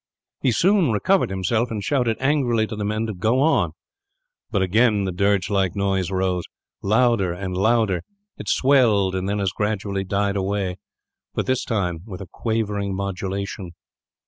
He soon recovered himself, and shouted angrily to the men to go on. But again the dirge like noise rose, louder and louder. It swelled, and then as gradually died away; but this time with a quavering modulation.